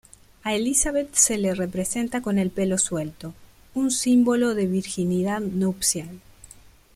A Elizabeth se le representa con el pelo suelto, un símbolo de virginidad nupcial.